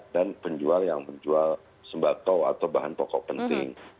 dan penjual yang menjual sembato atau bahan pokok penting